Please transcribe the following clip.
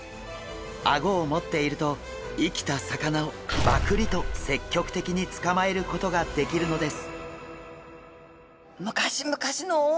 アゴを持っていると生きた魚をバクリと積極的に捕まえることができるのです。